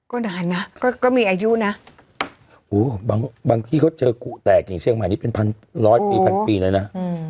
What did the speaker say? ก็นานนะก็มีอายุนะอู้วบางที่เขาเจอกลู่แตกอย่างเชี่ยงข้างหลายนิดเป็นพันปีเลยนะ